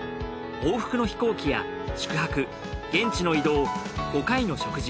往復の飛行機や宿泊現地の移動５回の食事